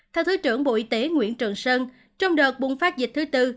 theo thứ trưởng bộ y tế nguyễn trường sơn trong đợt bùng phát dịch thứ tư